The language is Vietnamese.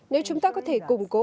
nếu chúng ta có thể củng cố